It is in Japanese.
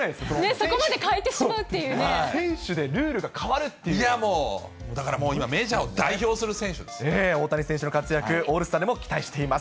そこまで変えてしまうってい選手でルールが変わるっていいや、もうだからもう、大谷選手の活躍、オールスターでも期待しています。